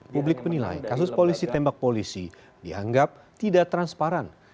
publik menilai kasus polisi tembak polisi dianggap tidak transparan